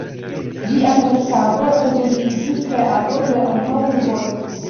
Ĝia kreskado rezultigis kreadon de antaŭurboj.